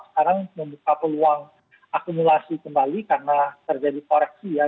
sekarang membuka peluang akumulasi kembali karena terjadi koreksi ya